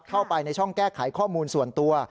เข้าไปในช่องแก้ไขข้อมูลส่วนตัว